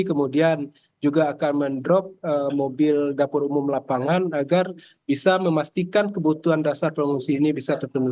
kemudian juga akan mendrop mobil dapur umum lapangan agar bisa memastikan kebutuhan dasar pengungsi ini bisa terpenuhi